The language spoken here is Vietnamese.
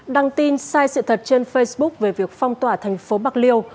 đăng tin sai sự thật trên facebook về việc phong tỏa thành phố bạc liêu